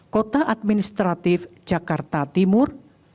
kota administratif jakarta timur